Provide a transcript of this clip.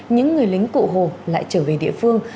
những người lính cụ hồ lại trở về địa phương